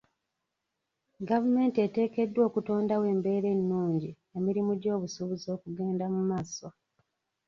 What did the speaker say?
Gavumenti eteekeddwa okutondawo embera ennungi emirimu gy'obusuubuzi okugenda mu maaso.